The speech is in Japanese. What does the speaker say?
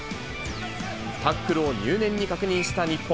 タックルを入念に確認した日本。